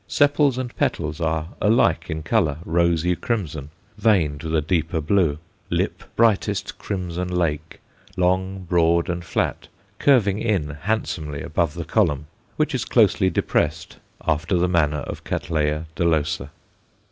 Sepals and petals are alike in colour, rosy crimson, veined with a deeper hue; lip brightest crimson lake, long, broad and flat, curving in handsomely above the column, which is closely depressed after the manner of Catt. dolosa.